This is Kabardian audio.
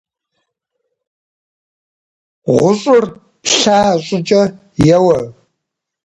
Гъущӏыр плъа щӏыкӏэ еуэ.